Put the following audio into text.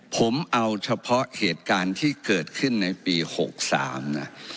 ผมเอาเฉพาะเหตุการณ์ที่เกิดขึ้นในปี๖๓นะ